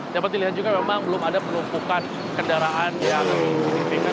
dapat dilihat juga memang belum ada penumpukan kendaraan yang signifikan